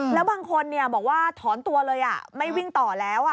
แล้วบางคนบอกว่าถอนตัวเลยไม่วิ่งต่อแล้ว